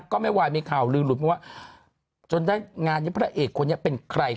ก็ไม่ไหวมีข่าวลือหลุดมาว่าจนได้งานนี้พระเอกคนนี้เป็นใคร